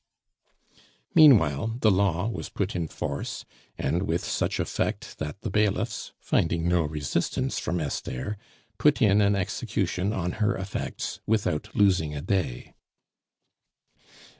Meanwhile, the law was put in force, and with such effect that the bailiffs, finding no resistance from Esther, put in an execution on her effects without losing a day.